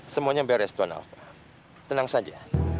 semuanya beres tuan alva tenang saja